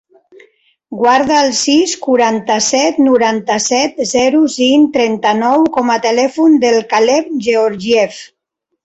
Guarda el sis, quaranta-set, noranta-set, zero, cinc, trenta-nou com a telèfon del Caleb Georgiev.